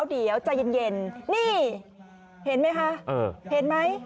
เดี๋ยวจะยืนเย็นนี่เห็นไหมคะ